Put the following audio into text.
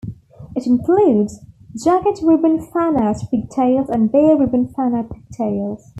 It includes: jacket ribbon fanout pigtails and bare ribbon fanout pigtails.